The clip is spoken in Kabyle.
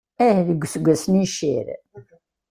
Ih, deg useggas-nni n cceṛ.